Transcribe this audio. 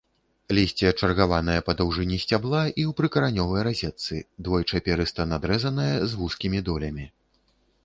Лісце чаргаванае па даўжыні сцябла і ў прыкаранёвай разетцы, двойчыперыста-надрэзанае, з вузкім долямі.